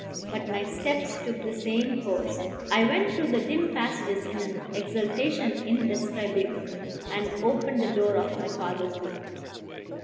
But my steps took the same course: I went through the dim passages in an exaltation indescribable, and opened the door of my father's room.